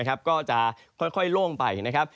ก็จะค่อยล่วงไป